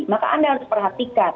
maka anda harus perhatikan